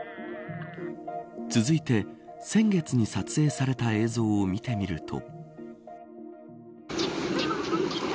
続いて、先月に撮影された映像を見てみると。